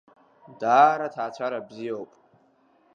Даара ҭаацәара бзоиуп.